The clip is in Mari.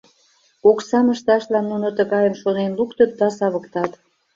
Оксам ышташлан нуно тыгайым шонен луктыт да савыктат.